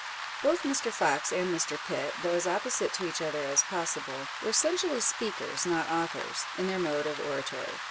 Both Mr. Fox and Mr. Pitt (though as opposite to each other as possible) were essentially speakers, not authors, in their mode of oratory.